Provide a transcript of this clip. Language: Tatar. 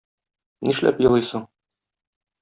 Нишләп елыйсың?